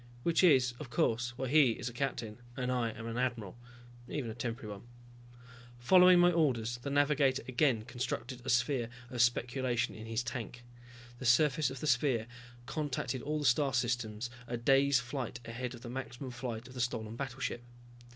Which is, of course, why he is a captain and I'm an admiral, even a temporary one. Following my orders, the navigator again constructed a sphere of speculation in his tank. The surface of the sphere contacted all the star systems a days flight ahead of the maximum flight of the stolen battleship.